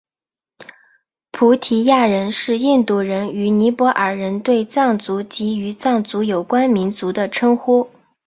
菩提亚人是印度人与尼泊尔人对藏族及与藏族有关民族的称呼。